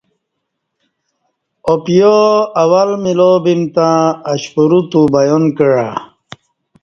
اوپیا اول ملاؤ بیم تہ اشپورو تو بیان کعہ